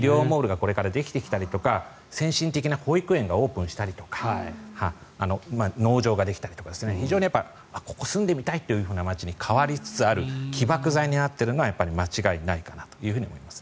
医療モールができたり先進的な幼稚園がオープンしたりとか農場ができたりとか非常にここに住んでみたいという街に変わりつつある起爆剤になっているのは間違いないかなと思います。